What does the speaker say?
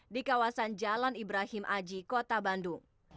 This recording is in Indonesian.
di kawasan jalan ibrahim aji kota bandung